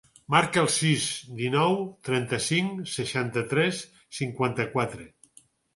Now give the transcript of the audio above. Marca el sis, dinou, trenta-cinc, seixanta-tres, cinquanta-quatre.